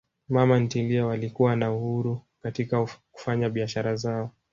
Mama ntilie walikuwa na uhuru katika kufanya biashara zao